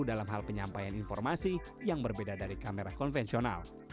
dalam hal penyampaian informasi yang berbeda dari kamera konvensional